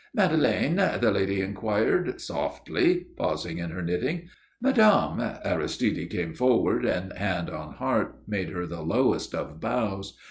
"Madeleine?" the lady inquired, softly, pausing in her knitting. "Madame," Aristide came forward, and, hand on heart, made her the lowest of bows.